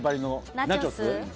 ナチョス？